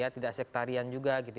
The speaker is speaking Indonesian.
tidak sektarian juga